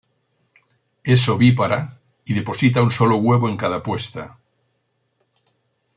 Es ovípara y deposita un solo huevo en cada puesta.